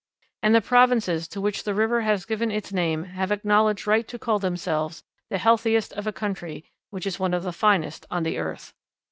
And the provinces to which the river has given its name have acknowledged right to call themselves the healthiest of a country which is one of the finest on the earth.